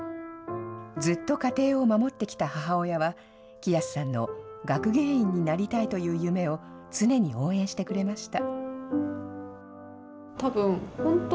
ずっと家庭を守ってきた母親は、喜安さんの学芸員になりたいという夢を常に応援してくれました。